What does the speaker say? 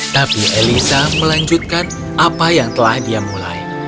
tapi elisa melanjutkan apa yang telah dia mulai